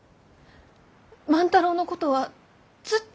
万太郎のことはずっと弟と。